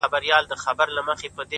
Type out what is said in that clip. د غلا خبري پټي ساتي;